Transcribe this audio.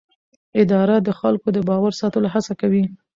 اداره د خلکو د باور ساتلو هڅه کوي.